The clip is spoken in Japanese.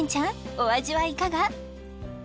お味はいかが？